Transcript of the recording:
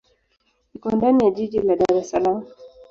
Iko ndani ya jiji la Dar es Salaam.